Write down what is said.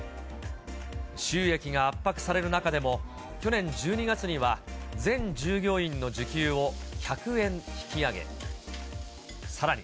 収益が圧迫される中でも、去年１２月には、全従業員の時給を１００円引き上げ、さらに。